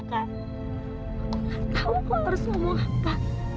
aku gak tau aku harus ngomong apa